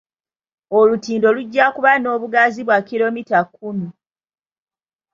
Olutindo lujja kuba n'obugazi bwa kkiromita kkumi.